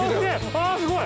あすごい。